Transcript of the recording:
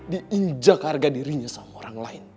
diinjak harga dirinya sama orang lain